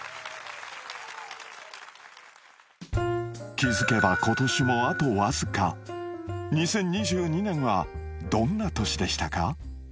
気付けば今年もあとわずか２０２２年はどんな年でしたか？